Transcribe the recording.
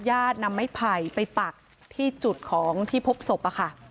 ญาตินำให้ไผ่ไปปากที่จุดของที่พบศพค่ะ